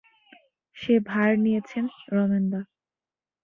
সে ভার নিয়েছেন রমেনদা।